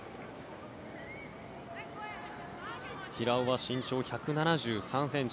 平尾は身長１７３ｃｍ